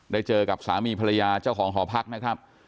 เจอกับสามีภรรยาเจ้าของหอพักนะครับ